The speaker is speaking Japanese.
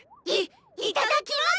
いいただきます！